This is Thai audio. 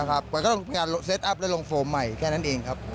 มันก็ต้องมีการเซตอัพและลงโฟมใหม่แค่นั้นเองครับ